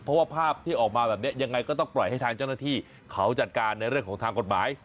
เพราะว่าภาพที่ออกมาแบบนี้ยังไงก็ต้องปล่อยให้ทางเจ้าหน้าที่เขาจัดการในเรื่องของทางกฎหมาย